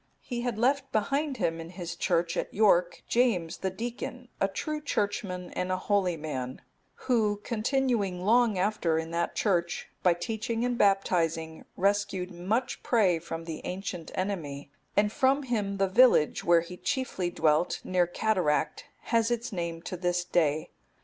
He had left behind him in his Church at York, James, the deacon,(279) a true churchman and a holy man, who continuing long after in that Church, by teaching and baptizing, rescued much prey from the ancient enemy; and from him the village, where he chiefly dwelt, near Cataract,(280) has its name to this day.